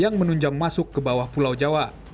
yang menunjang masuk ke bawah pulau jawa